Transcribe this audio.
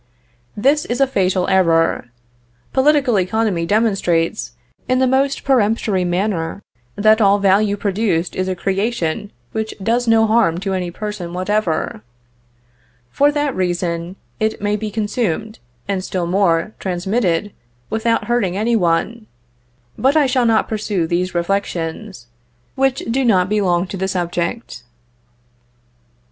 This is a fatal error; political economy demonstrates, in the most peremptory manner, that all value produced is a creation which does no harm to any person whatever. For that reason, it may be consumed, and, still more, transmitted, without hurting any one; but I shall not pursue these reflections, which do not belong to the subject.